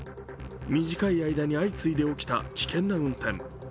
短い間に相次いで起きた危険な運転。